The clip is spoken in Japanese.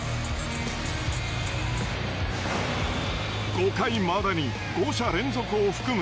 ５回までに５者連続を含む